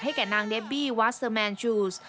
แก่นางเดบี้วาสเตอร์แมนชูส